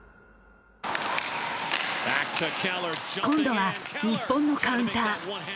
今度は日本のカウンター。